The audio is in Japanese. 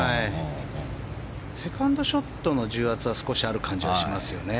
セカンドショットの重圧は少しある感じがしますよね。